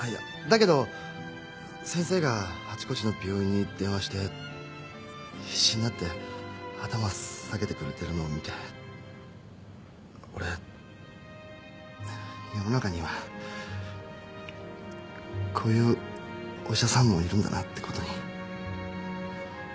だけど先生があちこちの病院に電話して必死になって頭下げてくれてるのを見て俺世の中にはこういうお医者さんもいるんだなってことに。